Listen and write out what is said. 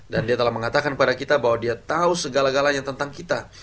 dan dia telah mengatakan kepada kita bahwa dia tahu segala galanya tentang kita